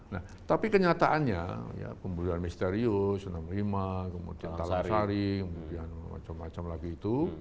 nah tapi kenyataannya ya pembunuhan misterius enam puluh lima kemudian talang sari kemudian macam macam lagi itu